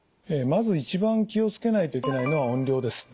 まず一番気を付けないといけないのは音量です。